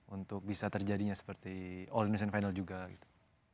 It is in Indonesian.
untuk bisa terjadinya seperti all indonesian final juga gitu